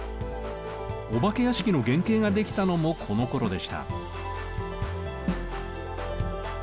お化け屋敷の原型ができたのもこのころでした。